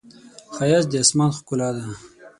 ښایست د آسمان ښکلا ده